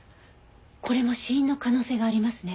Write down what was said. これも死因の可能性がありますね。